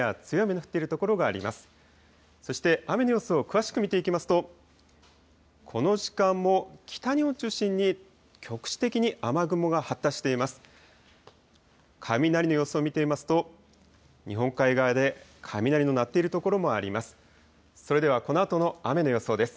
雷の様子を見てみますと、日本海側で雷の鳴っている所もあります。